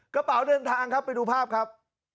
กระเป๋าเดินทางครับไปดูภาพครับ